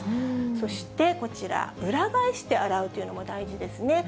そしてこちら、裏返して洗うというのも大事ですね。